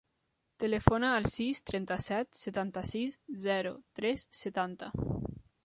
Telefona al sis, trenta-set, setanta-sis, zero, tres, setanta.